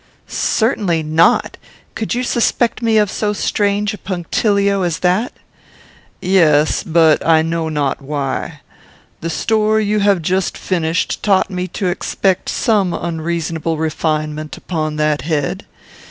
"Certainly not. Could you suspect me of so strange a punctilio as that?" "Yes; but I know not why. The story you have just finished taught me to expect some unreasonable refinement upon that head.